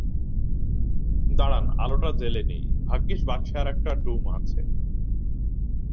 দাঁড়ান আলোটা জেলে নিই, ভাগ্যিাস বাক্সে আর একটা ড়ুম আছে।